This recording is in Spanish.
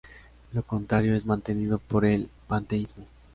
Lo contrario es mantenido por el panteísmo.